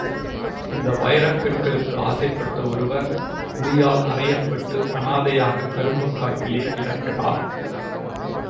இந்த வைரக் கற்களுக்கு ஆசைப்பட்ட ஒருவர், புலியால் அறையப்பட்டு அநாதையாக கரும்புக் காட்டிலே கிடக்கிறார்.